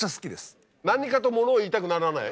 何かと物を言いたくならない？